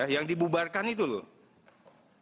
yang dibubarkan itu lho